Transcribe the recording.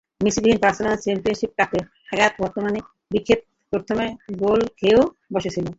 মেসি-বিহীন Barca Spanish কাপে অখ্যাত কার্তাগেনার বিপক্ষেও প্রথমে গোল খেয়ে বসেছিল।